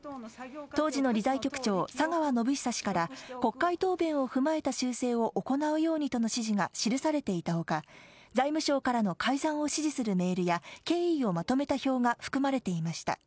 当時の理財局長、佐川宣寿氏から、国会答弁を踏まえた修正を行うようにとの指示が記されていたほか、財務省からの改ざんを指示するメールや、経緯をまとめた表が含まれていました。